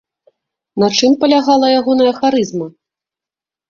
На чым палягала ягоная харызма?